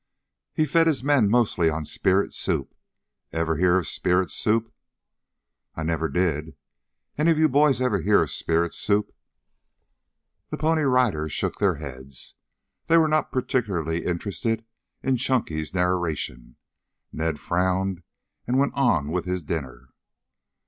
"He fed his men mostly on spirit soup. Ever hear of spirit soup?" "I never did. Any of you boys ever hear of spirit soup?" The Pony Riders shook their heads. They were not particularly interested in Chunky's narration. Ned frowned and went on with his dinner.